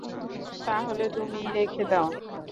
তাহলে তুমিই রেখে দাও।